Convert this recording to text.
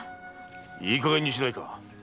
いいかげんにしないか。